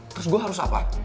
terus gue harus apa